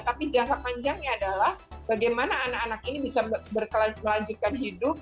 tapi jangka panjangnya adalah bagaimana anak anak ini bisa melanjutkan hidup